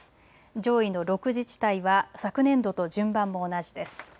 上位の６自治体は昨年度と順番も同じです。